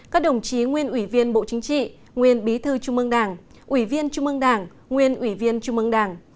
các đồng chí nguyên ủy viên bộ chính trị nguyên bí thư trung mương đảng ủy viên trung ương đảng nguyên ủy viên trung mương đảng